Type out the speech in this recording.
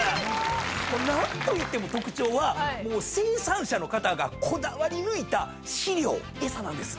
何といっても特徴は生産者の方がこだわり抜いた飼料餌なんです。